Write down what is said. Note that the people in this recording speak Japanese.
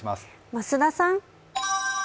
増田さん。